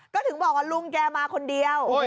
ก็ถึงบอกว่าลุงแกมาคนเดียว